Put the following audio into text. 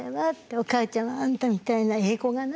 「おかあちゃんはあんたみたいなええ子がな」。